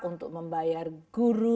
untuk membayar guru